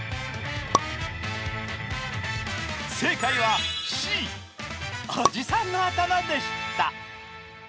正解はＣ、おじさんの頭でした。